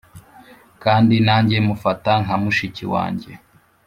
kandi nanjye mufata nkamushiki wange,